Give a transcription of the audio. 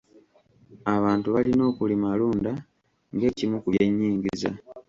Abantu balina okulimalunda ng'ekimu ku by'enyingiza.